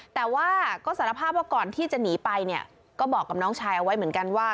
แต่ว่าก็สารภาพว่าก่อนที่จะหนีไปเนี่ยก็บอกกับน้องชายเอาไว้เหมือนกันว่า